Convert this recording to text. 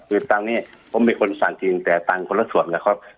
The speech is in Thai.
คือตังค์นี้ผมเป็นคนสั่งจริงแต่ตังค์คนละส่วนนะครับ